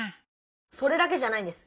それだけじゃないんです。